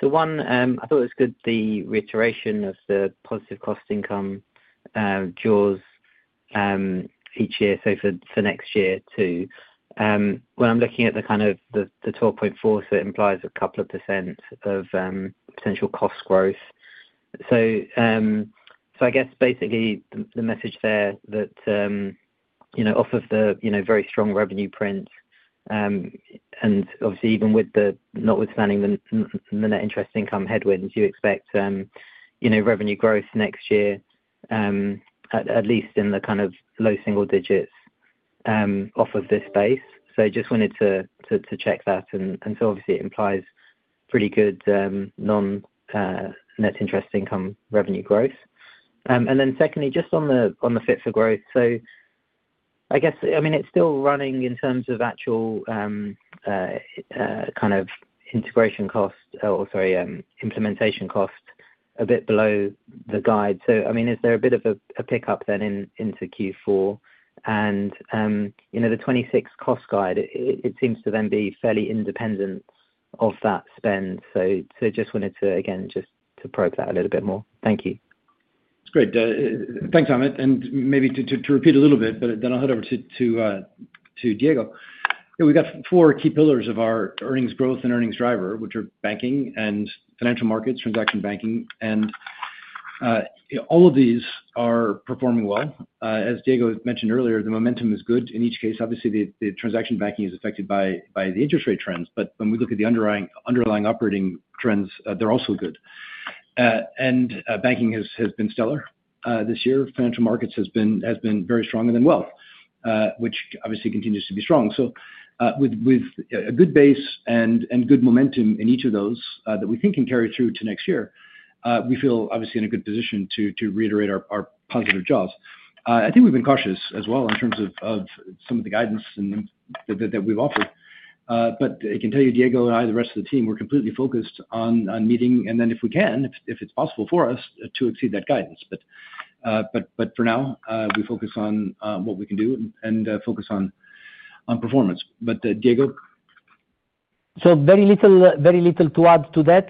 One, I thought it was good, the reiteration of the positive cost income jaws each year, for next year too. When I'm looking at the kind of the talk point for us, it implies a couple of percentage of potential cost growth. I guess basically the message there is that off of the very strong revenue print, and obviously, even with the notwithstanding the net interest income headwinds, you expect revenue growth next year, at least in the kind of low single digits off of this base. I just wanted to check that. Obviously, it implies pretty good non-net interest income revenue growth. Secondly, just on the Fit for Growth, I guess it's still running in terms of actual kind of integration cost or, sorry, implementation cost a bit below the guide. Is there a bit of a pickup then into Q4? The 2026 cost guide, it seems to then be fairly independent of that spend. I just wanted to, again, just to probe that a little bit more. Thank you. That's great. Thanks, Amit. Maybe to repeat a little bit, but then I'll head over to Diego. We've got four key pillars of our earnings growth and earnings driver, which are banking and financial markets, transaction banking. All of these are performing well. As Diego mentioned earlier, the momentum is good in each case. Obviously, the transaction banking is affected by the interest rate trends. When we look at the underlying operating trends, they're also good. Banking has been stellar this year. Financial markets has been very strong. Wealth, which obviously continues to be strong. With a good base and good momentum in each of those that we think can carry through to next year, we feel obviously in a good position to reiterate our positive jaws. I think we've been cautious as well in terms of some of the guidance that we've offered. I can tell you, Diego and I, the rest of the team, we're completely focused on meeting. If we can, if it's possible for us to exceed that guidance. For now, we focus on what we can do and focus on performance. Diego? Very little to add to that.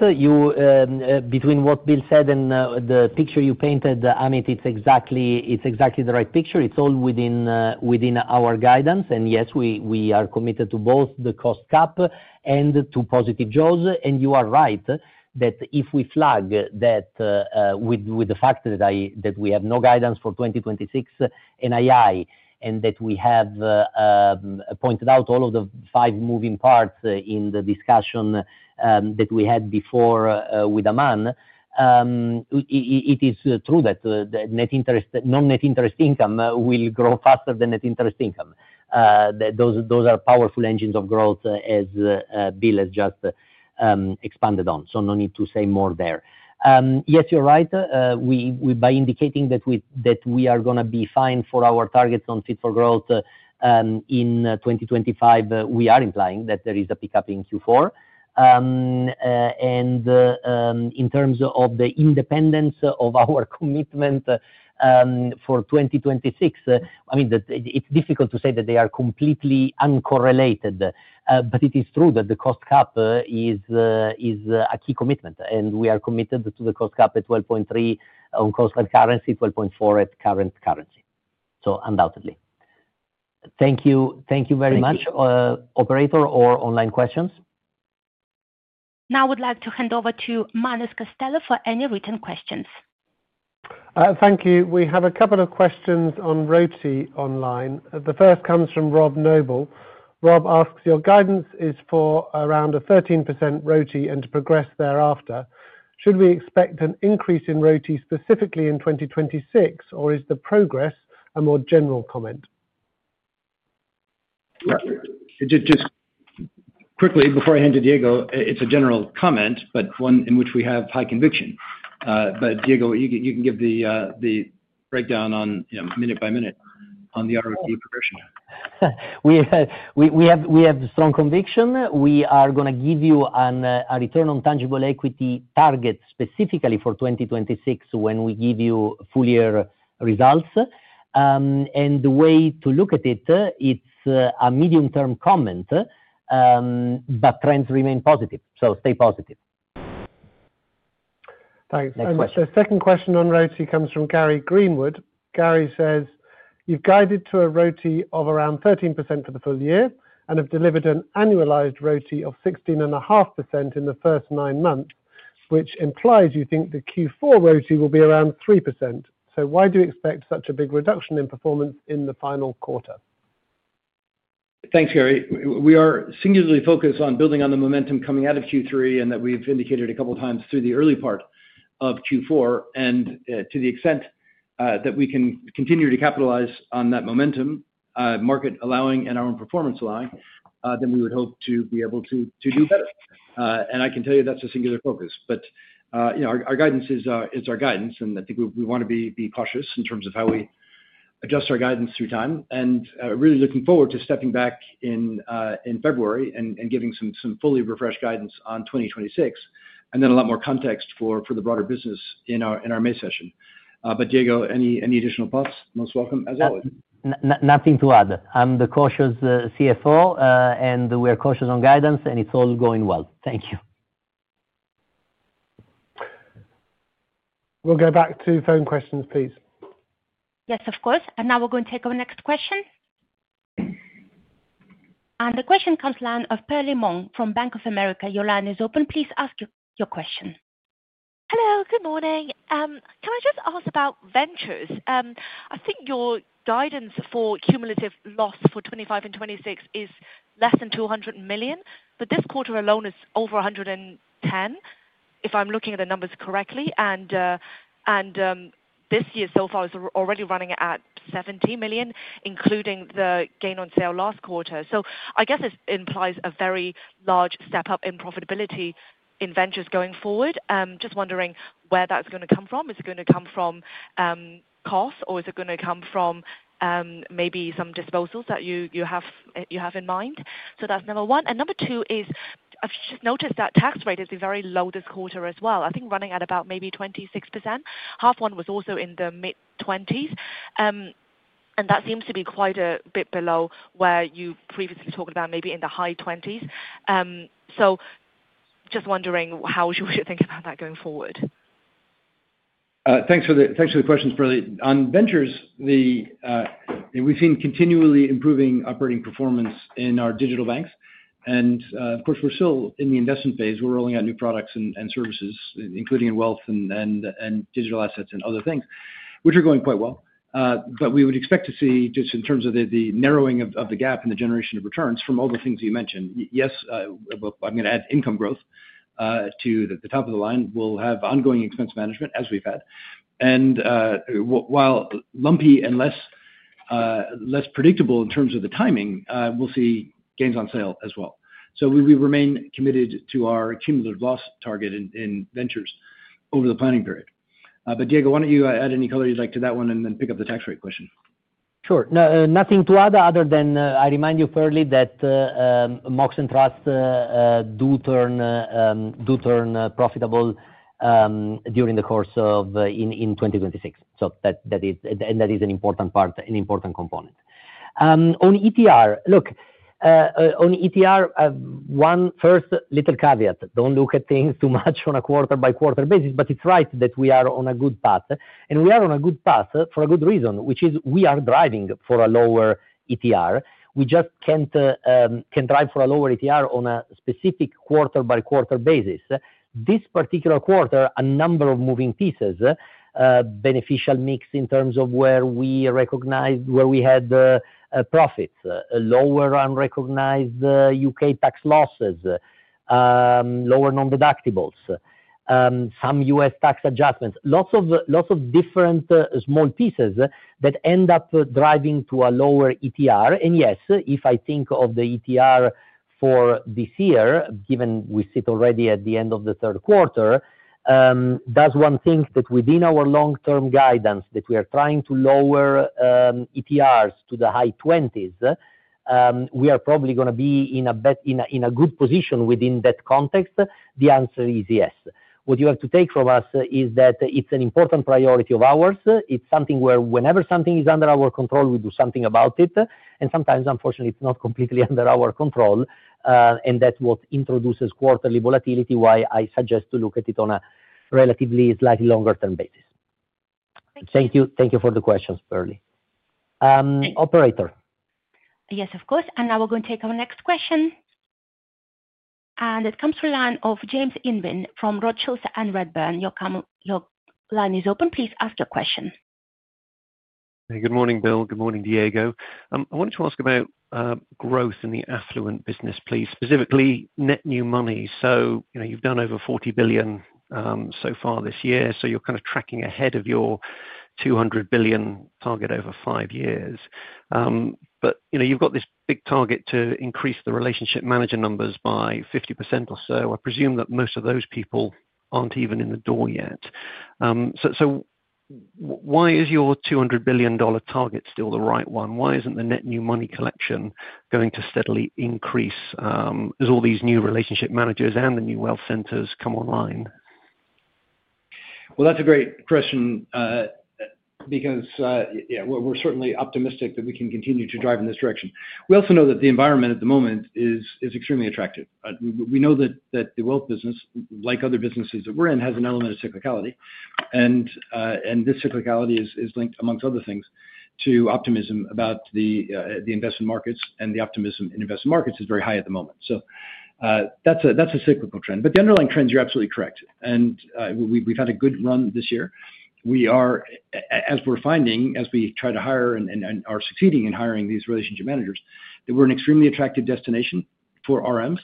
Between what Bill said and the picture you painted, Amit, it's exactly the right picture. It's all within our guidance. Yes, we are committed to both the cost cap and to positive jaws. You are right that if we flag that with the fact that we have no guidance for 2026 NII and that we have pointed out all of the five moving parts in the discussion that we had before with Aman, it is true that non-net interest income will grow faster than net interest income. Those are powerful engines of growth, as Bill has just expanded on. No need to say more there. Yes, you're right. By indicating that we are going to be fine for our targets on Fit for Growth in 2025, we are implying that there is a pickup in Q4. In terms of the independence of our commitment for 2026, I mean, it's difficult to say that they are completely uncorrelated. It is true that the cost cap is a key commitment. We are committed to the cost cap at $12.3 billion on cost at currency, $12.4 billion at current currency. Undoubtedly. Thank you very much. Operator or online questions? Now I would like to hand over to Manus Costello for any written questions. Thank you. We have a couple of questions on RoTE online. The first comes from Rob Noble. Rob asks, your guidance is for around a 13% RoTE and to progress thereafter. Should we expect an increase in RoTE specifically in 2026, or is the progress a more general comment? Just quickly, before I hand to Diego, it's a general comment, but one in which we have high conviction. Diego, you can give the breakdown minute by minute on the RoTE progression. We have strong conviction. We are going to give you a return on tangible equity target specifically for 2026 when we give you full-year results. The way to look at it, it's a medium-term comment, but trends remain positive. Stay positive. Thanks. Next question. The second question on RoTE comes from Gary Greenwood. Gary says, you've guided to a RoTE of around 13% for the full year and have delivered an annualized RoTE of 16.5% in the first nine months, which implies you think the Q4 RoTE will be around 3%. Why do you expect such a big reduction in performance in the final quarter? Thanks, Gary. We are singularly focused on building on the momentum coming out of Q3 and that we've indicated a couple of times through the early part of Q4. To the extent that we can continue to capitalize on that momentum, market allowing and our own performance allowing, we would hope to be able to do better. I can tell you that's a singular focus. Our guidance is our guidance. I think we want to be cautious in terms of how we adjust our guidance through time. I am really looking forward to stepping back in February and giving some fully refreshed guidance on 2026, and then a lot more context for the broader business in our May session. Diego, any additional thoughts? Most welcome, as always. Nothing to add. I'm the cautious CFO, and we're cautious on guidance, and it's all going well. Thank you. We'll go back to phone questions, please. Yes, of course. We are going to take our next question. The question comes from the line of Pearl Ngan from Bank of America. Your line is open. Please ask your question. Hello. Good morning. Can I just ask about ventures? I think your guidance for cumulative loss for 2025 and 2026 is less than $200 million. This quarter alone is over $110 million, if I'm looking at the numbers correctly. This year so far is already running at $70 million, including the gain on sale last quarter. I guess this implies a very large step up in profitability in ventures going forward. Just wondering where that's going to come from. Is it going to come from cost, or is it going to come from maybe some disposals that you have in mind? That's number one. Number two is I've just noticed that tax rate is very low this quarter as well. I think running at about maybe 26%. Half one was also in the mid-20%. That seems to be quite a bit below where you previously talked about, maybe in the high 20%. Just wondering how you should think about that going forward. Thanks for the questions, Pearl. On ventures, we've seen continually improving operating performance in our digital banks. Of course, we're still in the investment phase. We're rolling out new products and services, including in wealth and digital assets and other things, which are going quite well. We would expect to see, just in terms of the narrowing of the gap and the generation of returns from all the things that you mentioned, yes, I'm going to add income growth to the top of the line. We'll have ongoing expense management, as we've had. While lumpy and less predictable in terms of the timing, we'll see gains on sale as well. We remain committed to our cumulative loss target in ventures over the planning period. Diego, why don't you add any color you'd like to that one and then pick up the tax rate question? Sure. Nothing to add other than I remind you fairly that MOX and Trust do turn profitable during the course of 2026. That is an important part, an important component. On ETR, look, on ETR, one first little caveat. Don't look at things too much on a quarter-by-quarter basis. It's right that we are on a good path. We are on a good path for a good reason, which is we are driving for a lower ETR. We just can't drive for a lower ETR on a specific quarter-by-quarter basis. This particular quarter, a number of moving pieces, beneficial mix in terms of where we recognized where we had profits, lower unrecognized U.K. tax losses, lower non-deductibles, some U.S. tax adjustments, lots of different small pieces that end up driving to a lower ETR. Yes, if I think of the ETR for this year, given we sit already at the end of the third quarter, that's one thing that within our long-term guidance that we are trying to lower ETRs to the high 20%, we are probably going to be in a good position within that context. The answer is yes. What you have to take from us is that it's an important priority of ours. It's something where whenever something is under our control, we do something about it. Sometimes, unfortunately, it's not completely under our control. That's what introduces quarterly volatility, why I suggest to look at it on a relatively slightly longer-term basis. Thank you. Thank you for the questions, Pearl. Operator. Yes, of course. We're going to take our next question. It comes from the line of James Irwin from Rothschild & Redburn. Your line is open. Please ask your question. Good morning, Bill. Good morning, Diego. I wanted to ask about growth in the affluent business, please, specifically net new money. You've done over $40 billion so far this year. You're kind of tracking ahead of your $200 billion target over five years. You've got this big target to increase the relationship manager numbers by 50% or so. I presume that most of those people aren't even in the door yet. Why is your $200 billion target still the right one? Why isn't the net new money collection going to steadily increase as all these new relationship managers and the new wealth centers come online? That's a great question because we're certainly optimistic that we can continue to drive in this direction. We also know that the environment at the moment is extremely attractive. We know that the wealth business, like other businesses that we're in, has an element of cyclicality. This cyclicality is linked, amongst other things, to optimism about the investment markets. The optimism in investment markets is very high at the moment. That's a cyclical trend. The underlying trends, you're absolutely correct. We've had a good run this year. As we're finding, as we try to hire and are succeeding in hiring these relationship managers, we're an extremely attractive destination for RMs.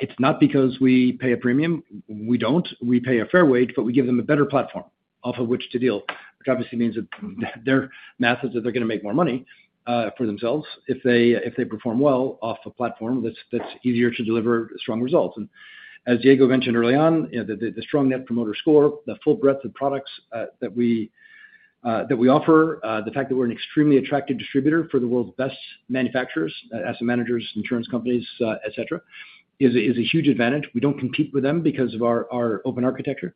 It's not because we pay a premium. We don't. We pay a fair wage, but we give them a better platform off of which to deal, which obviously means that their math is that they're going to make more money for themselves if they perform well off a platform that's easier to deliver strong results. As Diego mentioned early on, the strong net promoter score, the full breadth of products that we offer, the fact that we're an extremely attractive distributor for the world's best manufacturers, asset managers, insurance companies, et cetera, is a huge advantage. We don't compete with them because of our open architecture.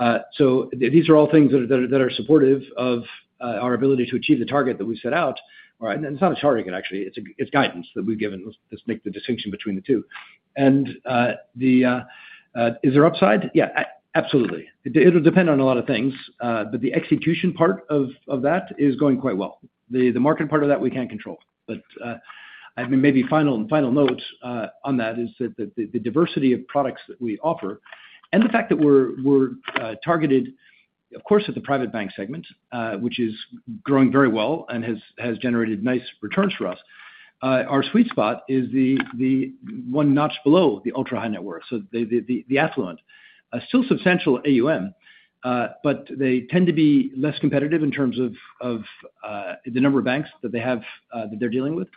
These are all things that are supportive of our ability to achieve the target that we set out. It's not a target, actually. It's guidance that we've given. Let's make the distinction between the two. Is there upside? Yeah, absolutely. It'll depend on a lot of things. The execution part of that is going quite well. The market part of that we can't control. Maybe final note on that is that the diversity of products that we offer and the fact that we're targeted, of course, at the private bank segment, which is growing very well and has generated nice returns for us, our sweet spot is the one notch below the ultra-high net worth, so the affluent. Still substantial AUM, but they tend to be less competitive in terms of the number of banks that they're dealing with.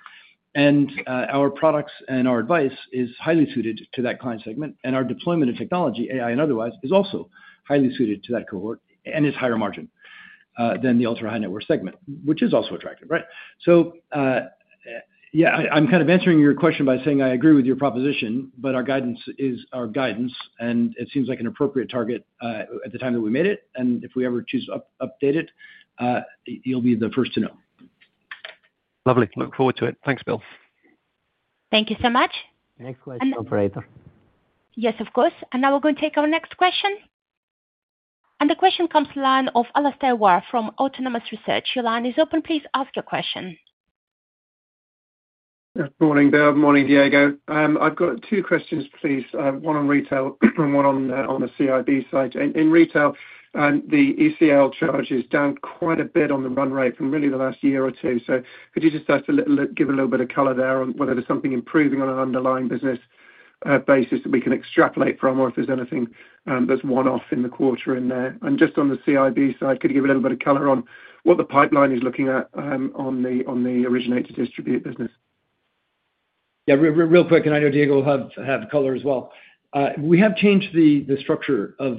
Our products and our advice is highly suited to that client segment. Our deployment of technology, AI and otherwise, is also highly suited to that cohort and is higher margin than the ultra-high net worth segment, which is also attractive, right? I'm kind of answering your question by saying I agree with your proposition, but our guidance is our guidance. It seems like an appropriate target at the time that we made it. If we ever choose to update it, you'll be the first to know. Lovely. Look forward to it. Thanks, Bill. Thank you so much. Next question, operator. Yes, of course. We're going to take our next question. The question comes from the line of Alastair Warr from Autonomous Research. Your line is open. Please ask your question. Morning, Bill. Morning, Diego. I've got two questions, please. One on retail and one on the CIB side. In retail, the ECL charges down quite a bit on the run rate from really the last year or two. Could you just give a little bit of color there on whether there's something improving on an underlying business basis that we can extrapolate from, or if there's anything that's one-off in the quarter in there? Just on the CIB side, could you give a little bit of color on what the pipeline is looking at on the originate-to-distribute business? Yeah, real quick. I know Diego will have color as well. We have changed the structure of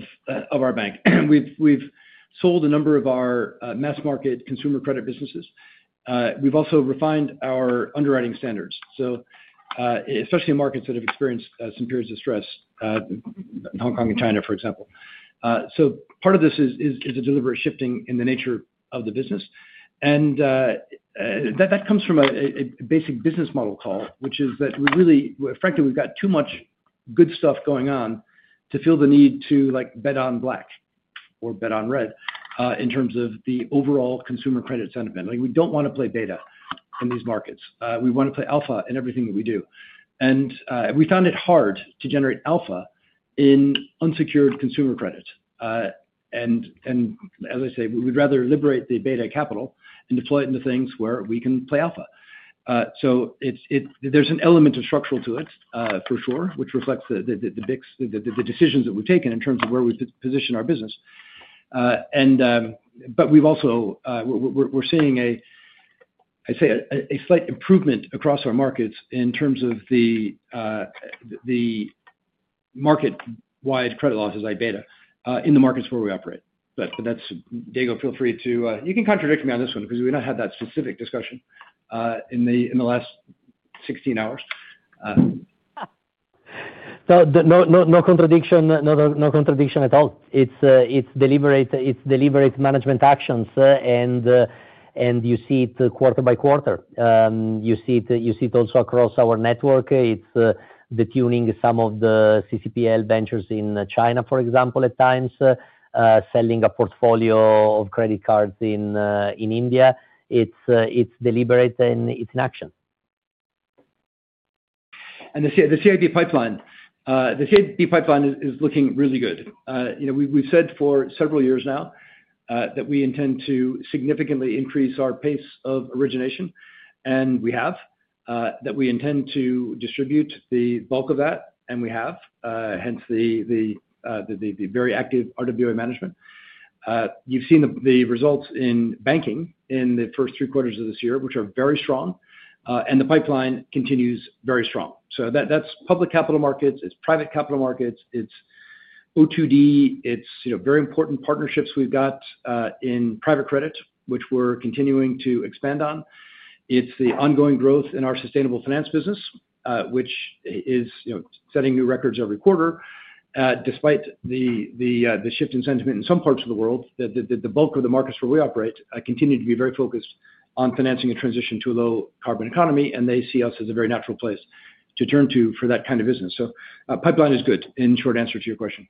our bank. We've sold a number of our mass market consumer credit businesses. We've also refined our underwriting standards, especially in markets that have experienced some periods of stress, in Hong Kong and China, for example. Part of this is a deliberate shifting in the nature of the business. That comes from a basic business model call, which is that we really, frankly, we've got too much good stuff going on to feel the need to like bet on black or bet on red in terms of the overall consumer credit sentiment. We don't want to play beta in these markets. We want to play alpha in everything that we do. We've found it hard to generate alpha in unsecured consumer credit. As I say, we would rather liberate the beta capital and deploy it into things where we can play alpha. There's an element of structural to it, for sure, which reflects the decisions that we've taken in terms of where we position our business. We're seeing, I'd say, a slight improvement across our markets in terms of the market-wide credit losses, beta in the markets where we operate. Diego, feel free to, you can contradict me on this one because we don't have that specific discussion in the last 16 hours. No contradiction at all. It's deliberate management actions. You see it quarter by quarter. You see it also across our network. It's the tuning of some of the CCPL ventures in China, for example, at times, selling a portfolio of credit cards in India. It's deliberate and it's in action. The CIB pipeline is looking really good. We've said for several years now that we intend to significantly increase our pace of origination. We have that, and we intend to distribute the bulk of that. We have, hence the very active RWA management. You've seen the results in banking in the first three quarters of this year, which are very strong. The pipeline continues very strong. That is public capital markets, private capital markets, O2D, and very important partnerships we've got in private credit, which we're continuing to expand on. It is the ongoing growth in our sustainable finance business, which is setting new records every quarter, despite the shift in sentiment in some parts of the world. The bulk of the markets where we operate continue to be very focused on financing a transition to a low-carbon economy. They see us as a very natural place to turn to for that kind of business. The pipeline is good, in short answer to your question.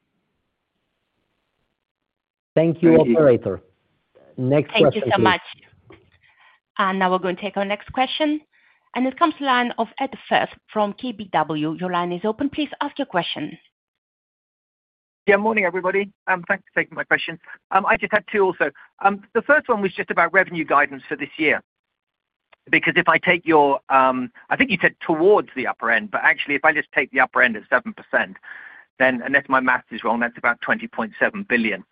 Thank you all, operator. Thank you so much. We are going to take our next question. It comes from the line of Ed Firth from KBW. Your line is open. Please ask your question. Yeah, morning, everybody. Thanks for taking my question. I just had two also. The first one was just about revenue guidance for this year. Because if I take your, I think you said towards the upper end. Actually, if I just take the upper end at 7%, then unless my math is wrong, that's about $20.7 billion,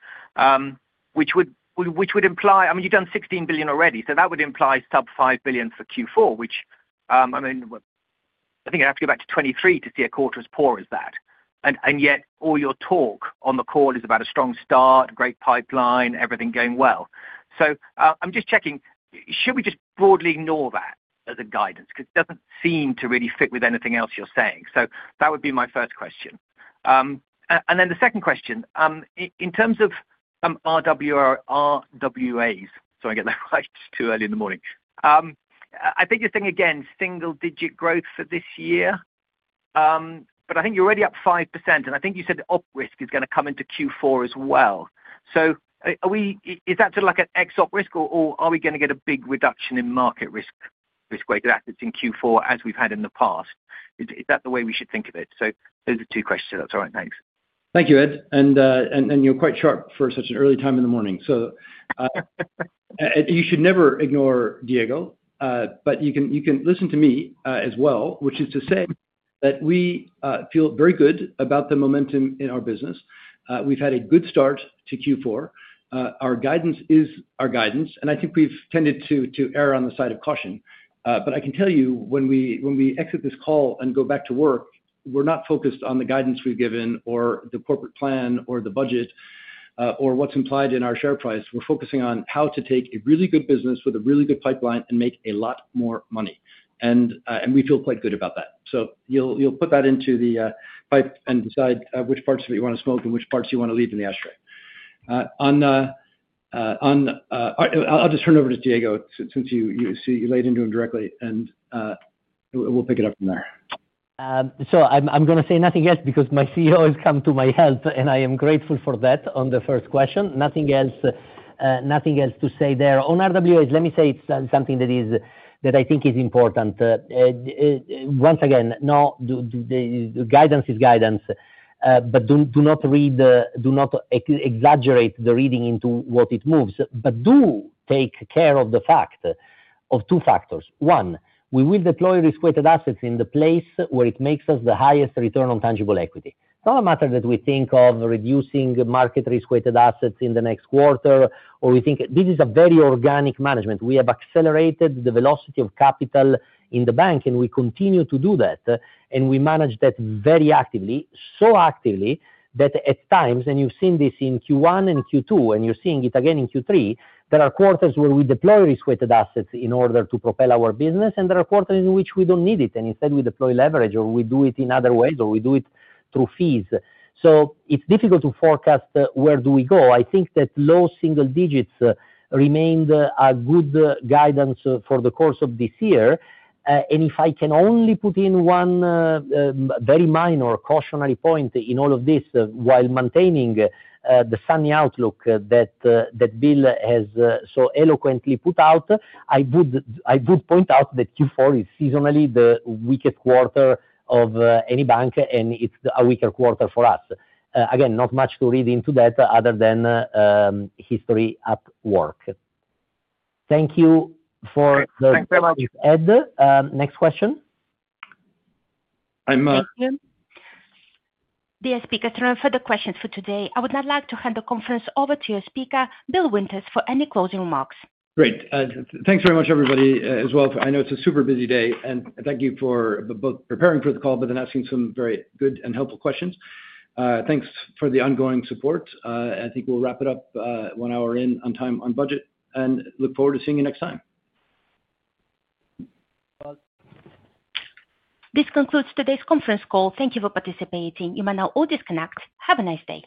which would imply, I mean, you've done $16 billion already. That would imply sub $5 billion for Q4, which, I mean, I think I'd have to go back to 2023 to see a quarter as poor as that. Yet, all your talk on the call is about a strong start, great pipeline, everything going well. I'm just checking, should we just broadly ignore that as a guidance? It doesn't seem to really fit with anything else you're saying. That would be my first question. The second question, in terms of RWAs, sorry, I get that right too early in the morning. I think you're saying, again, single-digit growth for this year. I think you're already up 5%. I think you said op risk is going to come into Q4 as well. Is that sort of like an ex-op risk, or are we going to get a big reduction in market risk-weighted assets in Q4 as we've had in the past? Is that the way we should think of it? Those are the two questions. That's all right. Thanks. Thank you, Ed. You're quite sharp for such an early time in the morning. You should never ignore Diego, but you can listen to me as well, which is to say that we feel very good about the momentum in our business. We've had a good start to Q4. Our guidance is our guidance. I think we've tended to err on the side of caution. I can tell you, when we exit this call and go back to work, we're not focused on the guidance we've given or the corporate plan or the budget or what's implied in our share price. We're focusing on how to take a really good business with a really good pipeline and make a lot more money. We feel quite good about that. You'll put that into the pipe and decide which parts of it you want to smoke and which parts you want to leave in the ashtray. I'll just turn it over to Diego since you laid into him directly. We'll pick it up from there. I'm going to say nothing else because my CEO has come to my help, and I am grateful for that on the first question. Nothing else to say there. On risk-weighted assets, let me say something that I think is important. Once again, no, the guidance is guidance, but do not exaggerate the reading into what it moves. Do take care of the fact of two factors. One, we will deploy risk-weighted assets in the place where it makes us the highest return on tangible equity. It's not a matter that we think of reducing market risk-weighted assets in the next quarter, or we think this is a very organic management. We have accelerated the velocity of capital in the bank, and we continue to do that. We manage that very actively, so actively that at times, and you've seen this in Q1 and Q2, and you're seeing it again in Q3, there are quarters where we deploy risk-weighted assets in order to propel our business. There are quarters in which we don't need it, and instead, we deploy leverage, or we do it in other ways, or we do it through fees. It's difficult to forecast where we go. I think that low single digits remained a good guidance for the course of this year. If I can only put in one very minor cautionary point in all of this while maintaining the sunny outlook that Bill has so eloquently put out, I would point out that Q4 is seasonally the weakest quarter of any bank, and it's a weaker quarter for us. Not much to read into that other than history at work. Thank you for the great speech, Ed. Next question. I'm... Thank you. The speaker is turned on for the questions for today. I would now like to hand the conference over to your speaker, Bill Winters, for any closing remarks. Great. Thanks very much, everybody, as well. I know it's a super busy day. Thank you for both preparing for the call, but then asking some very good and helpful questions. Thanks for the ongoing support. I think we'll wrap it up one hour in, on time, on budget. I look forward to seeing you next time. This concludes today's conference call. Thank you for participating. You may now all disconnect. Have a nice day.